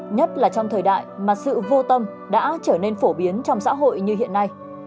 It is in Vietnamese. nhất là trong thời đại mà sự vô tâm đã trở nên phổ biến trong xã hội như hiện nay